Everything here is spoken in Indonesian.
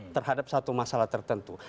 terhadap satu masalah tertentu